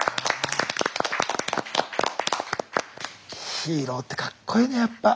ヒーローってかっこいいねやっぱ。